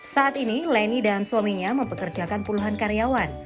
saat ini leni dan suaminya mempekerjakan puluhan karyawan